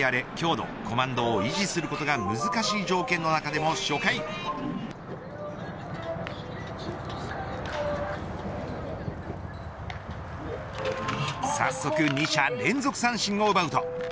強風が吹き荒れ、強度コマンドを維持することが難しい条件の中でも初回早速２者連続三振を奪うと。